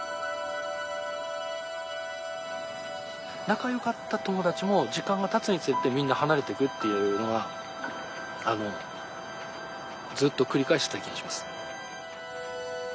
仲よかった友達も時間がたつにつれてみんな離れていくっていうのはずっと繰り返してた気がします。